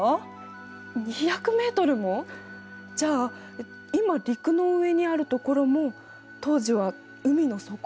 じゃあ今陸の上にあるところも当時は海の底だね。